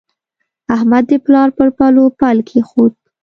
احمد د پلار پر پلو پل کېښود.